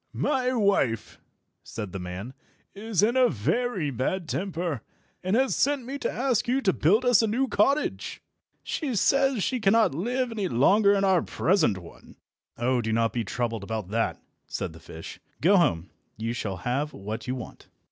"My wife," said the man, "is in a very bad temper, and has sent me to ask you to build us a new cottage. She says she cannot live any longer in our present one." "Oh, do not be troubled about that," said the fish. "Go home. You shall have what you want."